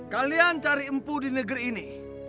kalian cari empu di negeri ini